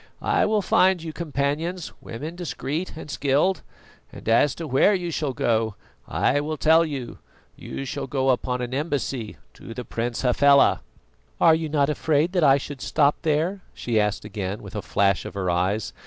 "I will find you companions, women discreet and skilled. And as to where you shall go, I will tell you. You shall go upon an embassy to the Prince Hafela." "Are you not afraid that I should stop there?" she asked again, with a flash of her eyes.